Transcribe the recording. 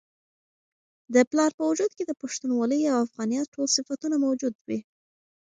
د پلار په وجود کي د پښتونولۍ او افغانیت ټول صفتونه موجود وي.